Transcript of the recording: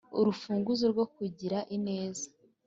Urufunguzo rwo kugira ineza